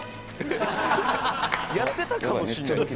やってたかもしれないです。